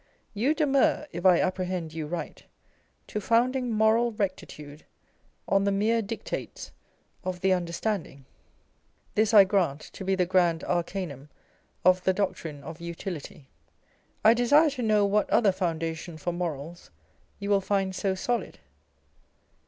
You demur, if I apprehend you right, to founding moral rectitude on the mere dictates of the Understanding. This I grant to be the grand arcanum of the doctrine of Utility. I desire to know what other foundation for morals you will find so solid